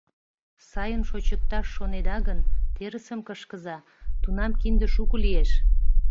Сайын шочыкташ шонеда гын, терысым кышкыза, тунам кинде шуко лиеш.